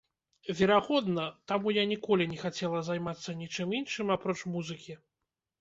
Верагодна, таму я ніколі не хацела займацца нічым іншым апроч музыкі.